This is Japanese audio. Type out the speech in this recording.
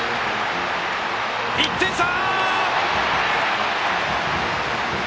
１点差！